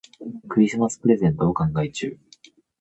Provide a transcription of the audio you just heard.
クリスマスプレゼントを考え中。